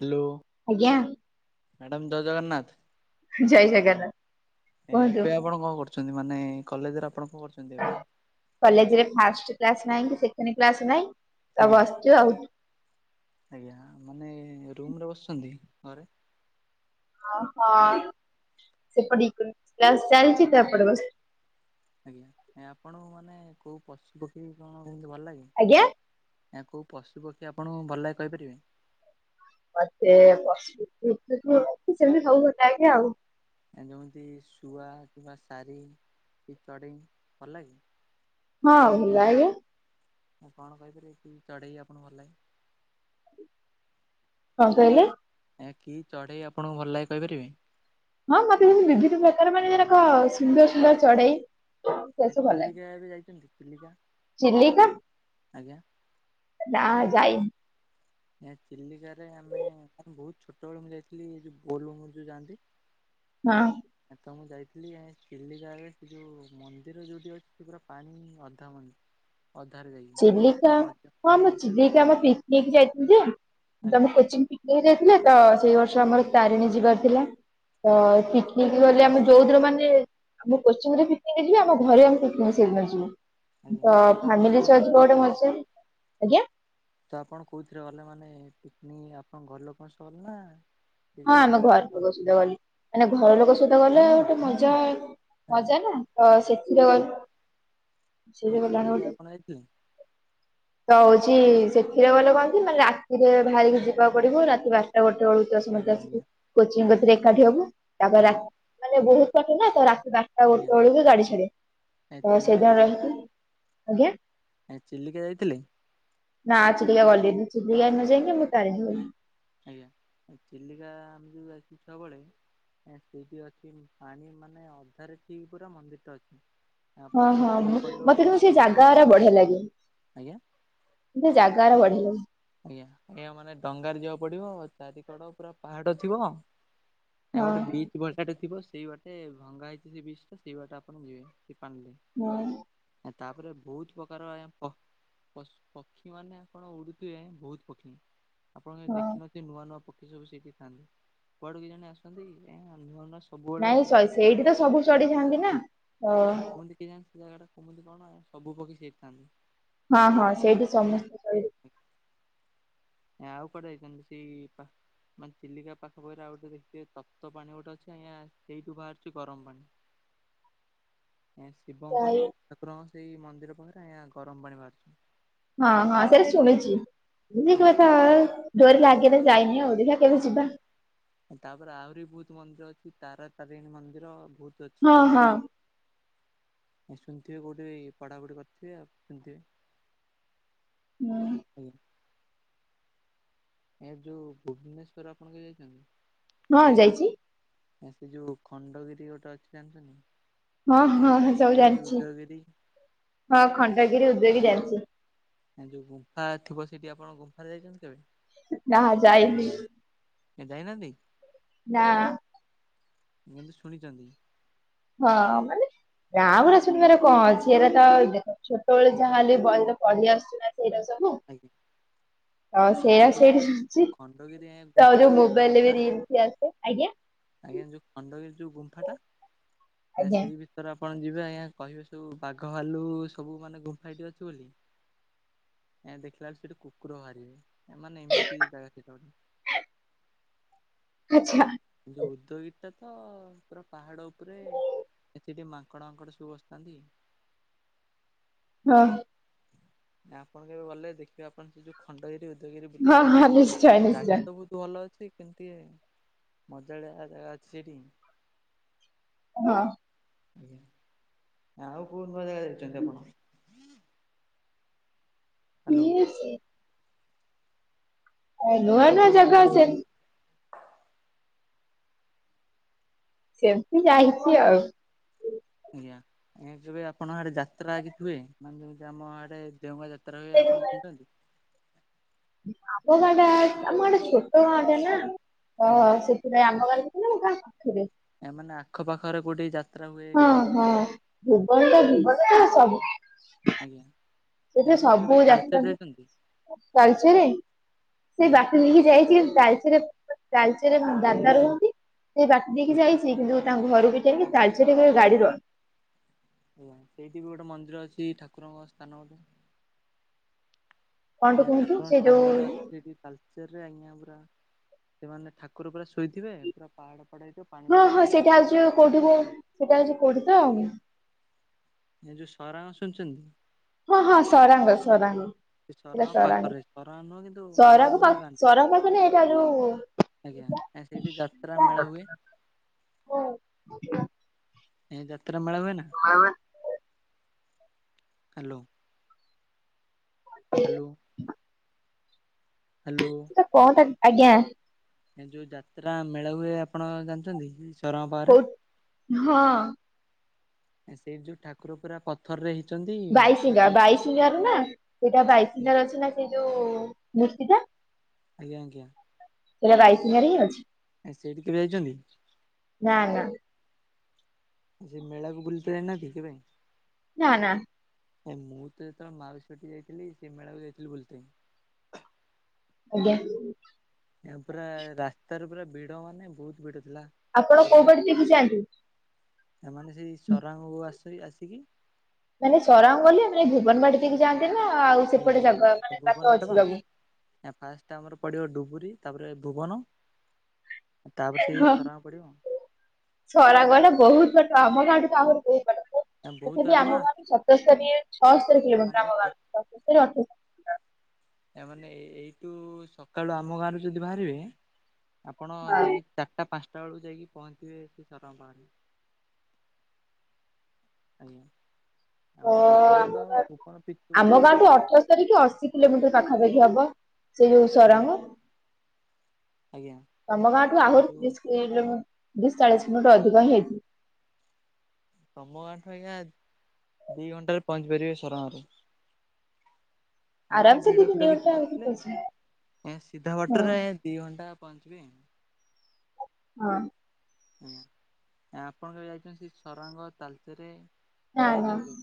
Hello ଆଜ୍ଞା madam ଜୟ ଜଗନ୍ନାଥ। ଜୟ ଜଗନ୍ନାଥ। ଏ କୁହନ୍ତୁ ଏବେ ଆପଣ କଣ କରୁଛନ୍ତି ମାନେ କଲେଜରେ ଆପଣ କଣ କରୁଛନ୍ତି ଏବେ? କଲେଜେରେ ଫାଷ୍ଟ୍ କ୍ଲାସ୍ ନାହିଁ କି ସେକେଣ୍ଡ କ୍ଲାସ୍ ନାହିଁ। ତ ଆଜ୍ଞା। ବସୁଛୁ ଆଉ। ଆଜ୍ଞା ମାନେ ରୁମ ରେ ବସିଛନ୍ତି ଘରେ। ହଁ ହଁ ସେପଟେ ଇକୋନୋମିକ୍ସ କ୍ଲାସ ଚାଲିଛି ତ ଏପଟେ ବସ୍ ଆଜ୍ଞା ଆପଣଙ୍କୁ ମାନେ କୋଉ ପଶୁ ପକ୍ଷୀ କଣ ବହୁତ ଭଲ ଲାଗେ? ଆଜ୍ଞା ନା କୋଉ ପଶୁ ପକ୍ଷୀ ଆପଣଙ୍କୁ ଭଲ ଲାଗେ କହିପାରିବେ? ମତେ ପଶୁ ପକ୍ଷୀ ସେମିତି ସବୁ ଭଲ ଲାଗେ ଆଉ। ଏଯେମିତି ଶୁଆ କିମ୍ବା ସାରି କି ଚଢେଇ ଭଲ ଲାଗେ? ହଁ ଭଲ ଲାଗେ। କଣ କହିପାରିବେ କି ଚଢେଇ ଆପଣଙ୍କୁ ଭଲ ଲାଗେ? କଣ କହିଲେ? ଏ କି ଚଢେଇ ଆପଣଙ୍କୁ ଭଲ ଲାଗେ କହିପାରିବେ? ହଁ ମତେ ଯେମିତି ବିଭିନ୍ନ ପ୍ରକାର ମାନେ ଯେଗୁଡ଼ାକ ସୁନ୍ଦର ସୁନ୍ଦର ଚଢେଇ। ସେ ସବୁ ଭଲ ଲାଗେ ଚିଲିକା କେବେ ଯାଇଛନ୍ତି ଚିଲିକା? ଚିଲିକା ଆଜ୍ଞା। ନା ଯାଇନି। ନା ଚିଲିକାରେ ଆମେ କ ବହୁତ ଛୋଟବେଳୁ ମୁଁ ଯାଇଥିଲି ଏ ବୋଲ ବମ୍ ଯୋଉ ଯାଆନ୍ତି। ହଁ। ତ ମୁଁ ଯାଇଥିଲି ଚିଲିକାରେ ସେ ଯୋଉ ମନ୍ଦିର ଯୋଉଠି ଅଛି ସେ ପୁରା ପାଣି ଅଧା ମଝି ଚିଲିକା ହଁ ମୁଁ ଚିଲିକା ଆମ ପିକନିକ ଯାଇଥିଲି ଯେ ତ ଆଜ୍ଞା ଆମେ କୋଚିଂକ ପିକନିକ ଯାଇଥିଲେ ତ ସେଇ ବର୍ଷ ଆମର ତାରିଣୀ ଯିବାର ଥିଲା। ତ ଆଜ୍ଞା ପିକନିକ [inaudible] ଆମେ ଯୋଉ ଦିନ ମାନେ ଆମ କୋଚିଂରେ ପିକନିକ୍ ଯିବେ ଆମ ଘରେ ଆମେ ସେଇଦିନ ଯିବୁ। ଆଜ୍ଞା ତ ଆପଣ ଫ୍ୟାମିଲି ସହ କୋଉଟା ଯିବ ଗୋଟେ କୋଉଥିରେ ଗଲେ, ମଜା ଆଜ୍ଞା ତ ଆପଣ କୋଉଥିରେ ଗଲେ ମାନେ ପିକନିକ ଆପଣ ଘର ଲୋକଙ୍କ ସହ ଗଲେନା ହଁ ଆମେ ଘର ଲୋକ ସହିତ ଗଲି। ମାନେ ଘର ଲୋକ ସହିତ ଗଲେ ଆଉ ଗୋଟେ ମଜା ଆଜ୍ଞା ମଜା ନା ତ ସେଥିରେ ସେ ଆଜ୍ଞା ଗଲାଣି ଚିଲିକା ଗୋଟେ। ଆପଣ ଯାଇଥିଲେ ତ ଚି ସେଥିରେ ଗଲେ କଣ କି ମାନେ ରାତିରେ ବାହାରିକି ଯିବାକୁ ପଡିବ ରାତି ବାରଟା ଗୋଟେ ବଳୁ ଆଜ୍ଞା ଆଜ୍ଞା। କୋଚିଙ୍ଗ କତୀରେ ଏକାଠି ହବୁ। ତାପରେ ଆଜ୍ଞା ରାତ ମାନେ ବହୁତ ବାଟ ନା ତ ବାରଟା ଗୋଟେ ଆଜ୍ଞା ବେଳକୁ ଗାଡି ଛାଡେ। ତ ସେଇଦିନ ରହିକି, ଆଜ୍ଞା ଏ ଚିଲିକା ଯାଇଥିଲେ? ନା ଚିଲିକା ଗଲିନି, ଚିଲିଆ ନ ଯାଇଁକି ମୁଁ ତାରିଣୀ ଗଲି। ଆଜ୍ଞା ଚିଲିକା ଆମେ ଯୋଉ ଯାଇଥିଲୁ ଛୁଆ ବଳେ ସେଇଠି ଅଛି ପାଣି ମାନେ ଅଧାରେ ଠିକ ପୁରା ମନ୍ଦିରଟା ଅଛି। ଓହୋ ଆପଣଙ୍କୁ ଯିବାକୁ ପଡିବ ମତେ କିନ୍ତୁ ସେ ଡଙ୍ଗାରେ ଜାଗା ଗୁଡା ଯିବାକୁ ପଡିବ। ବଢିଆ ଲାଗେ। ଆଜ୍ଞା ମତେ ଜାଗା ଗୁଡା ବଢି ଆଜ୍ଞା ଆଜ୍ଞା ମାନେ ଡଙ୍ଗାର ଯିବାକୁ ପଡିବ, ଚାରିକଡ ପୁରା ପାହାଡ ଥିବ। ଆ ହଁ। ଗୋଟେ ବ୍ରିଚ ଭଳିଆଟେ ଥିବ ସେଇ ବାଟେ ଭଙ୍ଗା ହେଇଛି ସେ ବ୍ରିଜ ଟା ସେଇ ବାଟେ ଆପଣ ଯିବେ। ପାଣିଲେ ହଁ ତାପରେ ବହୁତ ପ୍ରକାର ଆଜ୍ଞା ପଶୁ ପକ୍ଷୀ ମାନେ ଆପଣ ଉଡୁ ବହୁତ ପକ୍ଷୀ ଆପଣଙ୍କ କାଇଁ ହଁ ଦେଖିନଥିବେ ନୂଆ ନୂଆ ପକ୍ଷୀ। ସେ ସବୁ ସେଠି ଥାନ୍ତି। କୁଆଡୁ କେଜାଣି ଆସନ୍ତି [unintelligible] ନାଇଁ ସେଇଠି ତ ସବୁ ଚଢି ଯାଆନ୍ତି ନା। ଓ ଏ କୁହନ୍ତି କେଜାଣି ସେ ଜାଗା ଟା କୁମନ୍ତି କଣ ସବୁ ପକ୍ଷୀ ସେଇଠି ଥାଆନ୍ତି। ହଁ ହଁ ସେଇଠି ସମସ୍ତେ ଆଉ କୁଆଡେ ଯାଇଥାନ୍ତେ ସେଇ ପା ମାନେ ଚିଲିକା ପାଖାପାଖିରେ ଆଉ ଗୋଟେ ଦେଖିବେ ତପ୍ତ ପାଣି ଗୋଟେ ଅଛି ଆଜ୍ଞା ସେଇଠୁ ବାହାରୁଛି ଗରମ ପାଣି। [inaudible] ଶିବଙ୍କ ଚଢି ଠାକୁରଙ୍କ ସେଇ ମନ୍ଦିର ପାଖରେ ଆଜ୍ଞା ଗରମ ପାଣି ବାହାରୁଛି। ହଁ ହଁ ସେଟା ଶୁଣିଛି ଆଜ୍ଞା। [unintelligible] ଡୋରି ଲାଗିନି ତ ଯାଇନି ଆଉ ଦେଖିବା ତାପରେ ଆହୁରି ବହୁତ ମନ୍ଦିର ଅଛି, ତାରା ତାରିଣୀ ମନ୍ଦିର ବହୁତ ଅଛି ହଁ ସେଇଠି। ହଁ ଶୁଣିଥିବେ କୋଉଠି ପଢାପଢି କରିଥିବେ ଆଉ ଶୁଣିଥିବେ। ହୁଁ। ଆଜ୍ଞା। ଏ ଯୋଉ ଭୁବନେଶ୍ୱର ଆପଣ କେବେ ଯାଇଛନ୍ତି? ହଁ ଯାଇଛି। ଆ ସେ ଯୋଉ ଖଣ୍ଡଗିରି ଗୋଟେ ଅଛି ଜାଣିଛନ୍ତି। ହଁ ହଁ ହ ସବୁ ଖଣ୍ଡଗିରି ଜାଣିଛି, ଉଦୟଗିରି ହଁ ଖଣ୍ଡଗିରି ଉଦୟଗିରି ଜାଣିଛି। ଯୋଉ ଗୁମ୍ଫା ଥିବ ସେଠି ଆପଣ ଗୁମ୍ଫାରେ ଯାଇଛନ୍ତି କେବେ? ନା ଯାଇନି। ଏ ଯାଇନାହନ୍ତି? ନା। କିନ୍ତୁ ଶୁଣିଛନ୍ତି ହଁ ମାନେ ନାଁ ଗୁଡା ଶୁଣିବାରେ କଣ ଅଛି ଏରା ତ ଇ ଛୋଟବେଳେ ଯାହା ହେଲେ ବି ବହିରେ ପଢି ଆସୁଚୁ ନା ସେଇରା ସବୁ। ଆଜ୍ଞା ଅ ସେ ସେଇଆ ଯୋଉ ସେଇଠି ଅଛି ଖଣ୍ଡଗିରି ଆଜ୍ଞା ତ ଗୁମ୍ଫାଟା ଯୋଉ ଆଜ୍ଞା ସେ ମୋବାଇଲରେ ଏବେ ଭିତରେ ରିଲ୍ ବି ଆସେ ଆଜ୍ଞା। ଆଜ୍ଞା ଯୋଉ ଖଣ୍ଡଗିରି ଯୋଉ ଗୁମ୍ଫା ଟା ଏ ଆଜ୍ଞା ସେଇ ଭିତରେ ଆପଣ ଯିବେ ଆଜ୍ଞା କହିବେ ସବୁ ବାଘ ଭାଲୁ ସବୁ ମାନେ ଗୁମ୍ଫାଟି ଅଛି ବୋଲି? ଏଁ ଦେଖିଲା ବେଳେ ସେଠି କୁକୁର ବାହାରିବ ମାନେ ଏମିତି ବି ଜାଗା ସେଟା ଗଟେ। ଆଚ୍ଛା। ଉଦୟ ଗିରି ଟା ତ ପୁରା ପାହାଡ ଉପରେ ଏଥି ଟିକେ ମାଙ୍କଡ ଫାଙ୍କଡ ସବୁ ବସି ଥାଆନ୍ତି। [inaudible] ଅ ହଁ। ଆପଣ କେବେ ଗଲେ ଦେଖିବେ ଆପଣ ସେ ଯୋଉ ଖଣ୍ଡଗିରି ଉଦ ଉଦୟ ଗିରି ହଁ ବୁଲିବେ ହଁ ନିଶ୍ଚୟ ନିଶ୍ଚୟ ଜାଗା ତ ବହୁତ ଭଲ ଅଛି ଛି କିନ୍ତୁ ଟିକେ ମଜାଳିଆ ଜାଗା ଅଛି ସେଠି। ହଁ। ଆଜ୍ଞା ଆଉ କୋଉ ନୂଆ ଜାଗା ଯାଇଚନ୍ତି ଆପଣ? ହ୍ୟାଲୋ ମୁଁ ସି ଆ ନୂଆ ଆଉ ନୂଆ କୋଉ ଜାଗା ସେମ୍ ଯାଇଛନ୍ତି? [inaudible] ସେମିତି ଯାଇଚି ଆଉ। ଆଜ୍ଞା ଯେବେ ଆପଣ ଆଡେ ଯାତ୍ରା କିଛି ହୁଏ, ମାନେ ଆମ ଆଡେ ଦେଓଗାଁ ଯା ତ୍ରା ହୁଏ ଆପଣ ତିନ୍ତନ୍ତି? ଆମ ଗାଁ ଟା ଆମ ଗାଟା ଛୋଟ ଗାଁ ଟା ନା, ତ ଆଜ୍ଞା ସେଥିପାଇଁ ଆମ ଗାଁ ଆମ ଗାଁ ପାଖରେ। ଏ ମାନେ ଆଖପାଖରେ କୋଉଠି ଯା ହଁ ହଁ ଭୁବନ ତ ଭୁବନ ତ ସବୁ ଆଜ୍ଞା। ସେଥିରେ ଆପଣ କେବେ ସବୁ ଯାତ୍ରା ତାଲଚେର ଯାଇଛନ୍ତି ବାଲିଚୁରେଇ। ସେ ଆଜ୍ଞା ଡାକି ଦେଇକି ଯାଇଚି ତା ତାଳଚେର ତାଳଚେର ରେ ଦାଦା ରୁହନ୍ତି, ସେଇ ବାଟ ଦେଇକି ଯାଇଚି କିନ୍ତୁ ତାଙ୍କ ଘରକୁ ଯାଇକି ତାଳଚେର କେବେ ଗାଡି ରହି ହୁଁ, ସେଇଠି ବି ଗୋଟେ ମନ୍ଦିର ଅଛି ଠାକୁରଙ୍କ ସ୍ଥାନ ଗୋ କଣଟେ ଆଜ୍ଞା, କୁହନ୍ତୁ ଠାକୁରଙ୍କ ସେ ଯୋଉ ସ୍ଥାନ ଗୋଟେ ଅଛି ସେଠି ତାଲଚେର ରେ ଆଜ୍ଞା ଗୋ ପା ସେମାନେ ଠାକୁର ପୁରା ଶୋଇଥିବେ ପୁରା ପାହାଡ ଫାହାଡ ହେଇଥିବ ପାଣି ହଁ ପୁଣା ହଁ ଯାଉଥିବ ସେଇଟା ହଉଚି ଯୋ କୋଉଠିି ସେଇଟା ହଉଚି କୋଉଠି ତ ଏ ଯୋଉ ସରାଙ୍ଗ ଶୁଣିଚନ୍ତି? ହଁ ହଁ ସରାଙ୍ଗ ସରାଙ୍ଗ। ସେ ସେଟା ସରାଙ୍ଗ। ପାଖରେ ସରାଙ୍ଗ ନୁହଁ କିନ୍ତୁ ଅଲଗା ସରାଙ୍ଗ କିନ୍ତୁ ପାଖ ଗାଁ ସରାଙ୍ଗ ମାନେ ଏଇଟା ଯୋଉ ଆଜ୍ଞା ଆ ସେଇଠି ଯାତ୍ରା ମେଳା ହୁଏ। ଓ ହୋ। ଏ ଯାତ୍ରା ମେଳା ହୁଏ ନା, ହାଲୋ। ହାଲୋ। ସେଟା କଣଟା କି ଆଜ୍ଞା। ଏ ଯୋଉ ଯାତ୍ରା ମେଳା ହୁଏ ଆପଣ ଜାଣିଛନ୍ତି? ସରଙ୍କ ପାଖରେ କୋଉ ହଁ। ଏ ସେଇଠି ଯୋଉ ଠାକୁର ପୁରା ପଥର ରେ ହେଇ ବାଇଶୀଙ୍ଗା ବାଇଶିଙ୍ଗା ରୁ ନା, ସେଇଟା ବାଇସୀଙ୍ଗା ର ଅଛି ନା ସେଇ ଯୋଉ ମୂର୍ତ୍ତିଟା। ଆଜ୍ଞା ଆଜ୍ଞା। ସେଇଟା ବାଇସିଙ୍ଗାରେ ହିଁ ଅଛି। ଆ ସେଇଠି କେବେ ଯାଇଚନ୍ତି? ନା ନା ଯେ ମେଳାକୁ ବୁଲିତେ ଯାଇନାହାନ୍ତି କେବେ? ନା ନା। ଆ ମୁଁ ତ ଯେତେବେଳେ ମାଉସୀ ଘଟିକି ଯାଇଥିଲି ସେ ମେଳାକୁ ଯାଇଥିଲି ବୁଲିତେ। ଆଜ୍ଞା। ଏ ପୁରା ରାସ୍ତାରେ ପୁରା ଭିଡ ମାନେ ବହୁତ ଭିଡ। ଥିଲା ଆପଣ କୋଉ ବାଟ ଦେଇକି ଯାଆନ୍ତି? ଏମାନେ ସେଇ ସରାଙ୍ଗ କୁ ଆସ ଆସିକି ମାନେ ସରାଙ୍ଗ ଗଲେ ମାନେ ଭୁବନ ବାଟେ ଦେଇକି ଯାଆ ଆଜ୍ଞା ଆଜ୍ଞା ଭୁବନ ବାଟେ ଅଛି ବା, ଯିବାକୁ? ଫାଷ୍ଟ ଆମର ପଡିବ ଡୁବରିୀ। ତାପରେ ଭୁବନ। ତାପରେ ସେଇ ହଁ ସରାଙ୍ଗ ପଡିବ ସରାଙ୍ଗ ଗଲା ବହୁତ ବାଟ ଆମ ଗାଁଠୁ ତ ଆହୁରି ବହୁତ ବାଟ। ବହୁତ ତଥାପି ବାଟ ବା ଆମ ଗାଁରୁ ସତସ୍ତରୀ ଛଅସ୍ତରୀ କିଲୋମିଟର ଏମାନେ ଆମ ଗାଁରୁ ସତସ୍ତରୀ ଅଠସ୍ତରୀ। [inaudible] ଏ ମାନେ ଏ ଏଇଠୁ ସକାଳୁ ଆମ ଗାଁରୁ ଯଦି ବାହାରିବେ। ଆପଣ ହଁ। ଯାଇକି ଚାରିଟା ପାଞ୍ଚଟା ବେଳକୁ ଯାଇକି ପହଞ୍ଚିବେ ସେ ଶରଣ ପାହାରେ, ଆଜ୍ଞା। ଆଉ ଓ ଭୁବନ ଆମ ତ ଭୁବନ ପିଛୁକୁ ଆମ ଯୋଉ ଗାଁଠୁ ଅଠର ତୋରି ଅଶୀ କିଲୋମିଟର ପାଖ। ପାଖାପାଖି ହବ ସେଇ ଯୋଉ ଆଜ୍ଞା ସରଙ୍ଗ। ଆଜ୍ଞା ତମ ଗାଁ ଠୁ ଆ ଯୋଉ ଆହୁରି। [unintelligible] ଚାଳିଶ ମିନିଟ ଅଧିକ ହେଇଥିବ। ତମ ଗାଁଠୁ ଆଜ୍ଞା ଦି ଘଣ୍ଟା ପହଞ୍ଚି ପାରିବେ ସରଙ୍ଗରୁ। ଏମାନେ ଆରାମସେ ଦି ଭିଡ ତିନି ଭିଡ କିଛି ଘଣ୍ଟା ଭିତରେ ନଥିଲେ ପହଞ୍ଚିବ। ଏ ସିଧା ହଁ ବାଟରେ ଦି ଘଣ୍ଟା ପାଞ୍ଚବେ। ହଁ ଆ ଆପଣ କେବେ ଯାଇଛନ୍ତି ସେ ସରାଙ୍ଗ ତାଲଚେରେ? ନା ଆଡେ ଯାଇଛନ୍ତି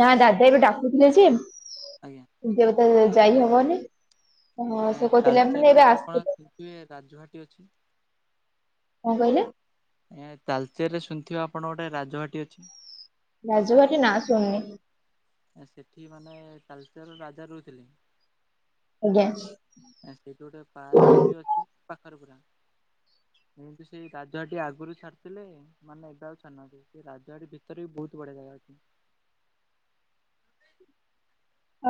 ନା ଦାଦା ଏବେ ଡାକୁଥିଲେ ଯେ ଆଜ୍ଞା [unintelligible] ତ ଯାଇ ହବନି। ହଁ ଆ ସେ କହୁଥିଲେ ମାନେ ତାଳଚେର ଏବେ ଗୋଟେ ଆପଣ ଆସିଥିଲେ ଶୁଣିଥିବେ ରାଜଘାଟୀ ଅଛି। କଣ କହିଲେ? ଏ ତାଲଚେରେ ଶୁଣିିଥିବେ ଆପଣ ଗୋଟେ ରାଜବାଟି ଅଛି? ରାଜବାଟି ନା ଶୁଣିନି। ସେଠି ମାନେ ତାଳଚେର ରଜା ରହୁଥିଲେ। ଆଜ୍ଞା। ସେଇଠି ଗୋଟେ ପାର୍କ ବି ଅଛି ପାଖରେ ପୁରା। ମୁଁ ବି ସେଇ ରାଜବାଟି ଆଗରୁ ଛାଡିଥିଲେ ମାନେ ଏବେ ଆଉ ଛାଡ଼ୁନାହାନ୍ତି ସେ ରାଜବାଟି ଭିତରେ ବି ବହୁତ ବଢି [unintelligible]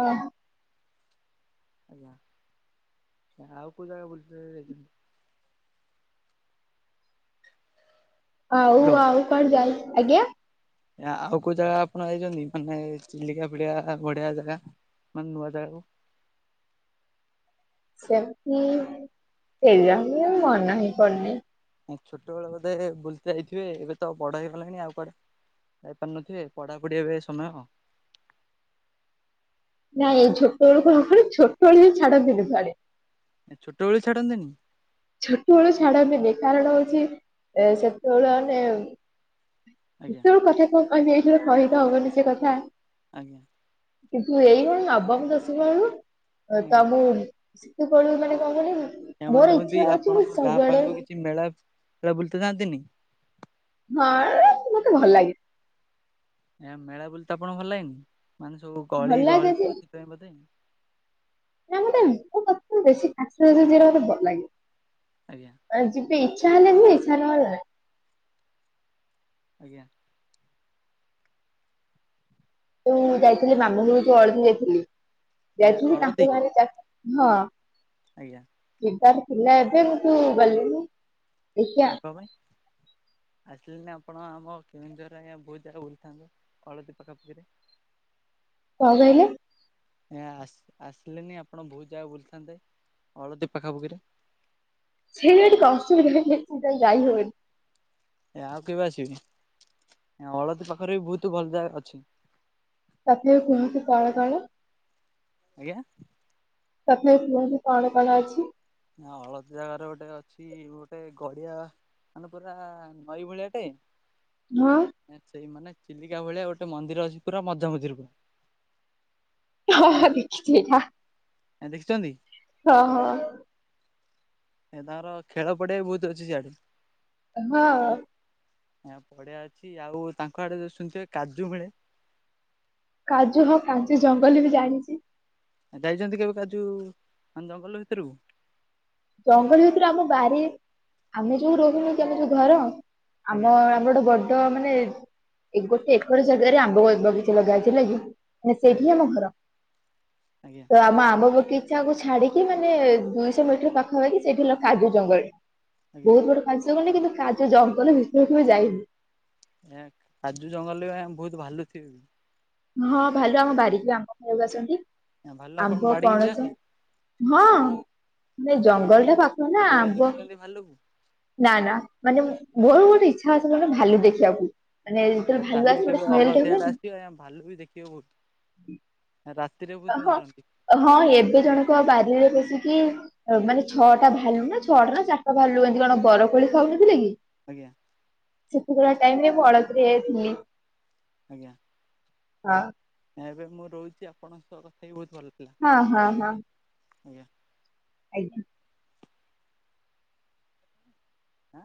ଓହୋ। ଆଜ୍ଞା ଆଉ କୋଉ ଜାଗା ବୁଲିବାକୁ ଯାଇଛନ୍ତି? ଆଉ ହ୍ୟାଲୋ ଆଉ କୁଆଡେ ଯାଏ ଆଜ୍ଞା? ଆଉ କୋଉ ଜାଗା ଆପଣ ଯାଇଛନ୍ତି ମାନେ ଚିଲିକା ଫଡିଆ ବଢିଆ ଜାଗା। ମାନେ ନୂଆ ଜାଗାକୁ। ସେମିତି ସେହିୟାହୀ ମାନେହିଁ ପଡୁନି। ଛୋଟବେଳେ ବୋଧେ ବୁଲ ଯାଇଥିବେ ଏବେ ତ ବଡ ହେଇଗଲାଣି ଆଉ କୁଆଡେ ଯାଇପାରୁନଥିବେ ପଢାପଢି ଏବେ ସମୟ ନାଇଁ ଛୋଟ ବେଳୁ [unintelligible] ଛୋଟ ବେଳୁ ହିଁ ଛାଡ଼ନ୍ତିନି କୋଉଁଆଡେ। ଛୋଟବେଳୁ ଛାଡନ୍ତିନି? ଛୋଟବେଳୁ ଛାଡନ୍ତିନି କାରଣ ହଉଛି ଏ ସେତେବେଳେ ମାନେ ଆଜ୍ଞା ଏତେବେଳେ କଥା କଣ କହେ ଏଇ ସହିଦ ହବନି ସେ କଥା। ଆଜ୍ଞା। କିନ୍ତୁ ଏଇଭଳି ମାବାଙ୍କୁ ଦଶିବା ବେଳୁ ତ ଆଜ୍ଞା ମୁଁ ସେତେବେଳେ ମାନେ କଣ କହିଲୁ। ସେମାନେ ଯଉଛନ୍ତି ଆପଣଙ୍କ ଗାଁ ପାଖକୁ କିଛି ମେଳା ବୁଲିତେ ଯାଆ ନ୍ତିନି? ହଁ ମତେ ଭଲ ଲାଗେ। ଏ ମେଳା ବୁଲିତେ ଆପଣ ଭଲ ଲାଗେନି ମାନେ ସବୁ ଗଳି ଭଲ ଲାଗେ ଯେ ଗହଳିଥିବ ସେଥିପାଇଁ ବୋଧେ। [unintelligible] ଆଜ୍ଞା। ମାନେ ଯିବି ଇଚ୍ଛା ହେଲେ ଇଚ୍ଛା ନହଲା। ଆଜ୍ଞା। ତ ଯାଇଥିଲି ମାମୁଁ ଘରକୁ ଅଳଦି ଯାଇଥିଲି ଏ ଯାଇଥିଲି ହଳଦୀ ତାଙ୍କୁ ଗାଁ ରେ ହଁ। ଆଜ୍ଞା। ତାର ପିଲଥିଲା ଏବେ ମୁଁ ତୁ ଗଲିନି ଦେଖିିବା। ଆସିଲେ ନାି ଆପଣ ଆମ କେଉଁଝରର ଆା ବହୁତ ଜାଗା ବୁଲିଥାନ୍ତେ ହଳଦୀ ପାଖାପାଖିରେ। କଣ କହିଲେ? ଏ ଆ ଆସିଲେନି ଆପଣ ବହୁତ ଜାଗା ବୁଲିଥାନ୍ତେ। ଅଳତୀ ପାଖାପୁଖିରେ। ସେଇଆଡ଼େ [unintelligible] ସେଥିପାଇଁ ଯାଇ ହୁଏନାହିଁ ଏ ଆଉ କେବେ ଆସିବେ? ଅଳଦୀ ପାଖରେ ବି ବହୁତ ଭଲ ଜାଗା ଅଛି। ତଥାପି କୁହନ୍ତୁ କଣ କଣ? ଆଜ୍ଞା। ତଥାପି କୁହନ୍ତୁ କଣ କଣ ଅଛି? ନା ଅଳଦୀ ଜାଗାରେ ଗୋଟେ ଅଛି ଗୋଟେ ଗଡିଆ। ମାନେ ପୁରା ନଈ ଭଳିଆଟେ ହଁ ସେଇ ମାନେ ଚିଲିକା ଭଳିଆ ଗୋଟେ ମନ୍ଦିର ଅଛି ପୁରା ମଝା ମଝିରେ ପୁରା। ହଁ ହ ଦେଖିଛି ଏଇଟା। ଏ ଦେଖିଛନ୍ତି? ହଁ ହଁ। ଏ ତାଙ୍କର ଖେଳ ପଡିଆ ବି ବହୁତ ଅଛି ସିଆଡେ। ହଁ। ଆ ପଡିଆ ଅଛି ଆଉ ତାଙ୍କ ଆଡେ ଯୋଉ ଶୁଣିଥିବେ କାଜୁ ମିଳେ। କାଜୁ ହଁ କାଜୁ ଜଙ୍ଗଲ ବି ଜାଣିଛି। ଯାଇଛନ୍ତି କେବେ କାଜୁ ମାନେ ଜଙ୍ଗଲ ଭିତରକୁ? ଜଙ୍ଗଲ ଭିତରୁ ଆମ ବାରି ଆମେ ଯୋଉ ରହୁନୁ କି ଆମ ଯୋଉ ଘର ଆମ ଆଜ୍ଞା ଆମର ଗୋଟେ ବ- ତ ମାନେ ଗୋଟେ ଏକର ଜାଗାରେ ଆମ୍ବ ବଗିଚା ଲଗାହେଇଛି ହେଲାକି। ହଁ ଆଜ୍ଞା ସେଠିଁ ଆମ ଘର। ଆଜ୍ଞା ତ ଆମ ଆମ୍ବ ବଗିଚାକୁ ଛାଡିକି ମାନେ ଦୁଇଶହ ମିଟର ପାଖ ହେଇକି ସେଇଠି ହେଲା କାଜୁ ଜଙ୍ଗଲ ଆଜ୍ଞା। ବହୁତ ବଡ କାଜୁ ହବନି କିନ୍ତୁ କାଜୁ ଜଙ୍ଗଲ ଭିତରକୁ ବି ଯାଇନୁ। ଏ କାଜୁ ଜଙ୍ଗଲରେ ବହୁତ ଭାଲୁଥିବେ ବି। ହଁ ଭାଲୁ ଆମ ବାରିକି ବି ଆମ୍ବ ଖାଇବାକୁ ଆସନ୍ତି ଭାଲୁ ଆପଣ ଆମ୍ବ ବାଡିକି ବି ପଣସ ହଁ, ଯାଆନ୍ତି? ମାନେ ଆଜ୍ଞା ଜଙ୍ଗଲଟା ପାଖ ନା କେବେ ଆମ୍ବ ଦେଖିଛନ୍ତି ଭାଲୁକୁ? ନା ନା ମାନେ ମୋର ଗୋଟେ ଇଚ୍ଛା ଅଛି କଣ କହିଲ ଭାଲୁ ଦେଖିବାକୁ। ମାନେ ଯେତେବେଳେ ଭାଲୁ ତାହେଲେ ଆସେ ଗୋଟେ କେବେ ସ୍ମେଲ ଟା ଅଳତୀ ଆଡେ ହୁଏନି ଆସିବେ ଆଜ୍ଞା ଭାଲୁ ବି ଦେଖିବେ ବହୁତ ରା- ହଁ ହଁ ଏବେ ଜଣକ ବାରିରେ ପଶିକି ମାନେ ଛଅଟା ଭାଲୁ ନା ଛଅଟା ନା ଚାରିଟା ଭାଲୁ ଏମିତି କଣ ବରକୋଳି ଖାଉନଥିଲେ କି? ଆଜ୍ଞା ସେ ଭଳିଆ ଟାଇମରେ ମୁଁ ଅଳତୀ ରେ ଥିଲି। ଆଜ୍ଞା। ହଁ। ନା ଏବେ ମୁଁ ରହୁଛି ଆପଣଙ୍କ ସହ କଥା ହେଇକି ବହୁତ ଭଲ ଲା- ହଁ ହଁ ହଁ। ଆଜ୍ଞା। ଆଜ୍ଞା। ଆଁ?